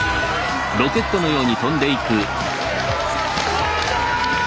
飛んだ！